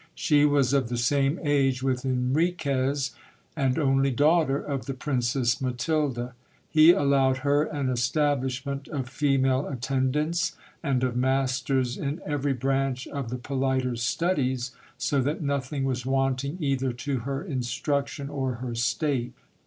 She was of the same age with Enriquez, and only daughter of the princess Matilda. He allowed her an estab lishment of female attendants, and of masters in every branch of the politer studies, so that nothing was wanting either to her instruction or her state.